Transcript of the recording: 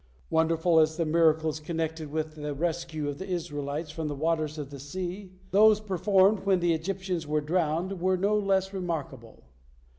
Wonderful as were the miracles connected with the rescue of the Israelites from the waters of the sea, those performed when the Egyptians were drowned were no less remarkable.